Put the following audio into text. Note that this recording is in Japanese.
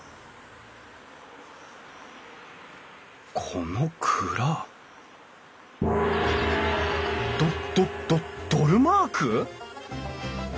この蔵ドドドドルマーク！？